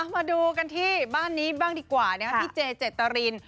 มาดูกันที่บ้านนี้บ้างดีกว่านะครับพี่เจเจตริน